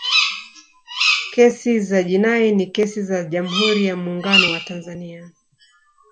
kesi za jinai ni kesi za jamhuri ya muungano wa tanzania